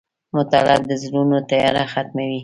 • مطالعه د زړونو تیاره ختموي.